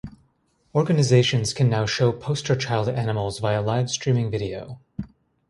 Organizations can now show "poster child" animals via live streaming video.